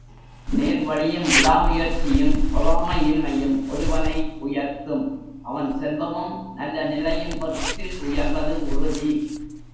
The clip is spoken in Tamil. நேர்வழியும் விடாமுயற்சி யும் பொறாமை இன்மையும் ஒருவனை உயர்த்தும் அவன் செல்வமும் நல்ல நிலையும் பெற்று உயர்வது உறுதி.